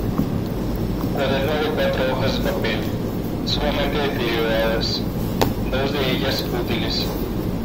Cuaderno de cuatro hojas de papel, sumamente deterioradas, dos de ellas útiles.